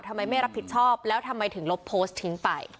ไม่รับผิดชอบแล้วทำไมถึงลบโพสต์ทิ้งไป